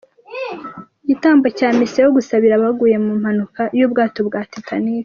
igitambo cya Misa yo gusabira abaguye mu mpanuka y'ubwato bwa Titanic.